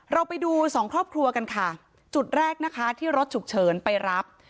เราไปดูสองครอบครัวกันค่ะจุดแรกนะคะที่รถฉุกเฉินไปรับ